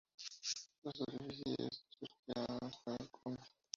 La especie tipo es: "Chusquea scandens" Kunth.